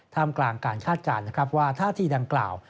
ท่ามกลางการคาดการณ์ว่าท่าทีดังกล่าว